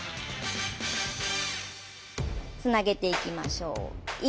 つなげていきましょう。